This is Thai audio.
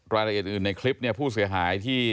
รายละเอียดอื่นในคลิปเนี่ยผู้เสียหายที่